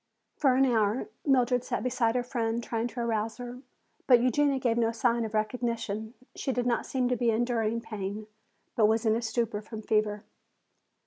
For an hour Mildred sat beside her friend trying to arouse her. But Eugenia gave no sign of recognition. She did not seem to be enduring pain, but was in a stupor from fever.